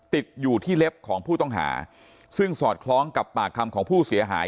ติดอยู่ที่เล็บของผู้ต้องหาซึ่งสอดคล้องกับปากคำของผู้เสียหาย